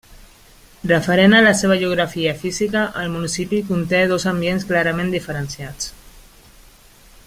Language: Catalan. Referent a la seva geografia física, el municipi conté dos ambients clarament diferenciats.